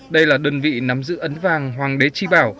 đây là đơn vị nắm giữ ấn vàng hoàng đế tri bảo